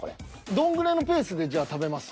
どんぐらいのペースでじゃあ食べます？